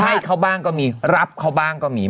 ให้เขาบ้างก็มีรับเขาบ้างก็มีบ้าง